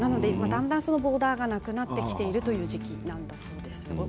だんだんボーダーがなくなってきているという時期なんだそうです。